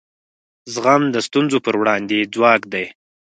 زغم د ستونزو پر وړاندې ځواک دی.